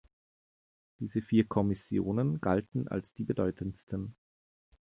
Diese vier Kommissionen galten als die bedeutendsten.